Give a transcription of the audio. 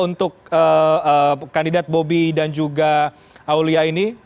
untuk kandidat bobi dan juga aulia ini